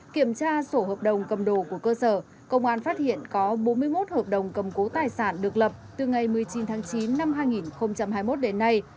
kiểm tra sổ hợp đồng cầm đồ của cơ sở công an phát hiện có bốn mươi một hợp đồng cầm cố tài sản được lập từ ngày một mươi chín tháng chín năm hai nghìn hai mươi một đến nay